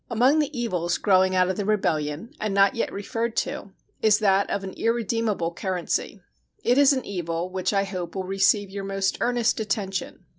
Among the evils growing out of the rebellion, and not yet referred to, is that of an irredeemable currency. It is an evil which I hope will receive your most earnest attention.